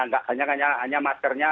nah tidak hanya hanya maskernya